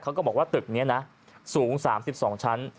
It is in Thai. ก็บอกว่าตึกนี้นะสูง๓๒ชั้น